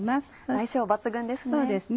相性抜群ですね。